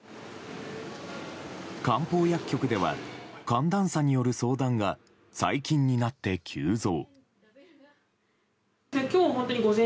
漢方薬局では寒暖差による相談が最近になって急増。